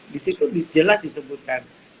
di situ jelas disebutkan